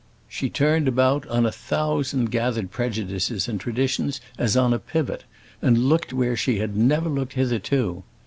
She turned about on a thousand gathered prejudices and traditions as on a pivot, and looked where she had never looked hitherto.